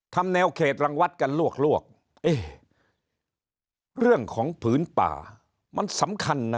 แนวเขตรังวัดกันลวกลวกเอ๊ะเรื่องของผืนป่ามันสำคัญนะ